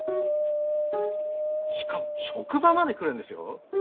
しかも職場まで来るんですよ？